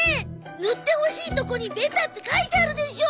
塗ってほしいとこに「ベタ」って書いてあるでしょ！